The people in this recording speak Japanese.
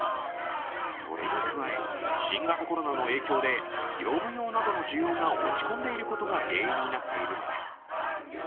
それに加え、新型コロナの影響で業務用などの需要が落ち込んでいることが原因になっているのです。